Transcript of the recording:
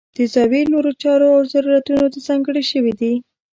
د زاویې نورو چارو او ضرورتونو ته ځانګړې شوي دي.